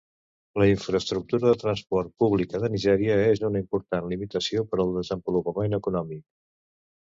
La infraestructura de transport pública de Nigèria és una important limitació per al desenvolupament econòmic.